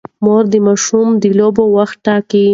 مور د ماشوم د لوبو وخت ټاکي.